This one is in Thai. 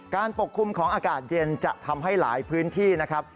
ปกคลุมของอากาศเย็นจะทำให้หลายพื้นที่นะครับ